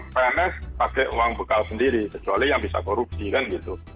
pns pakai uang bekal sendiri kecuali yang bisa korupsi kan gitu